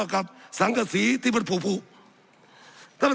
สับขาหลอกกันไปสับขาหลอกกันไป